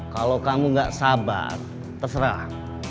kalau kamu nggak sabar terserah